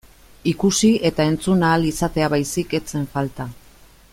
Ikusi eta entzun ahal izatea baizik ez zen falta.